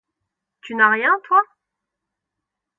Tu n'as rien, toi?